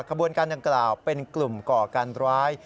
ขบวนการดังกล่าวเป็นกลุ่มก่อการร้าย